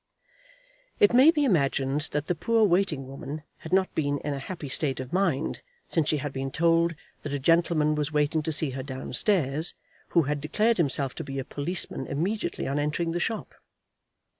It may be imagined that the poor waiting woman had not been in a happy state of mind since she had been told that a gentleman was waiting to see her down stairs, who had declared himself to be a policeman immediately on entering the shop.